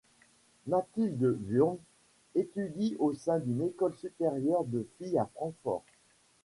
Mathilde Wurm étudie au sein d'une école supérieure de filles à Francfort.